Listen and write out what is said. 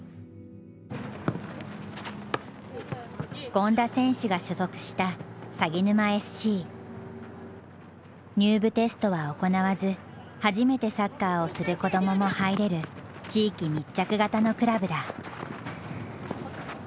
権田選手が所属した入部テストは行わず初めてサッカーをする子どもも入れる地域密着型のクラブだ。